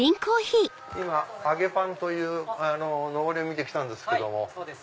揚げパンというのぼりを見て来たんですけども。